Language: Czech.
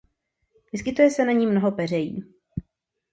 Vyskytuje se na ní mnoho peřejí.